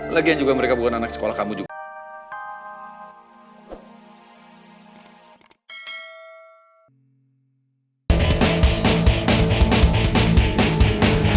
lagi yang juga mereka bukan anak sekolah kamu juga